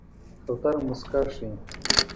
کوتره موسکا ښيي.